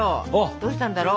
どうしたんだろう？